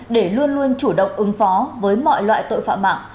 được ứng phó với mọi loại tội phạm mạng